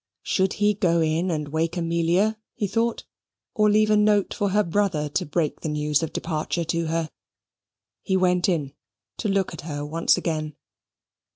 Should he go in and wake Amelia, he thought, or leave a note for her brother to break the news of departure to her? He went in to look at her once again.